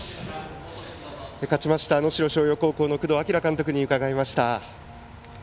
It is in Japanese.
勝ちました、能代松陽高校の工藤明監督に伺いました。